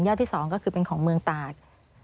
ที่๒ก็คือเป็นของเมืองตาก